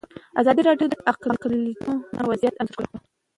ازادي راډیو د اقلیتونه وضعیت انځور کړی.